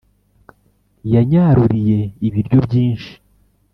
Yanyaruriye ibiryo byinshi